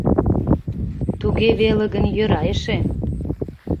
— Туге веле гын, йӧра эше...